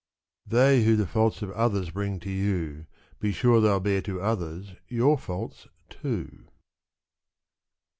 271 They who the faults of others bring to you, Be sure they'll bear to others your fiiults too.